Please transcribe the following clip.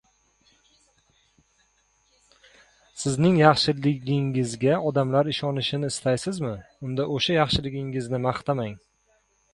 Sizning yaxshiligingizga odamlar ishonishini istaysizmi? Unda o‘sha yaxshiligingizni maqtamang.